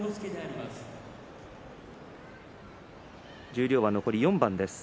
十両は残り４番です。